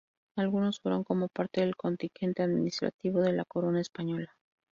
Algunos fueron como parte del contingente administrativo de la corona española.